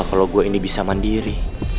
kalau gue ini bisa mandiri